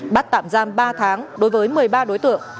bắt tạm giam ba tháng đối với một mươi ba đối tượng